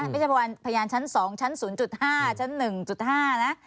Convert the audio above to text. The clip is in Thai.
ไม่เฉพาะพยานชั้น๒ชั้น๐๕ชั้น๑๕นะ